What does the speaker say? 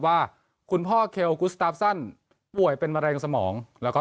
ว่าคุณพ่อเคลกุสตาฟซันป่วยเป็นมะเร็งสมองแล้วก็